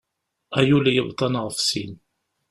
Ay ul yebḍan ɣef sin!